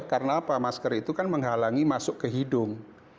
karena apa masker itu kan menghalangi masuk ke hidung